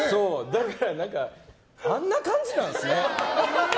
だから、あんな感じなんすね。